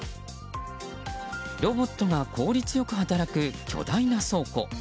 ロボットが効率よく働く巨大な倉庫。